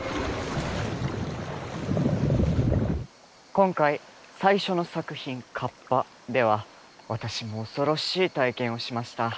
今回最初の作品「かっぱ」では私も恐ろしい体験をしました。